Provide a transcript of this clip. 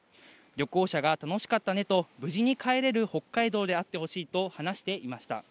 旅行者が楽しかったねと、無事に帰れる北海道であってほしいと話していました。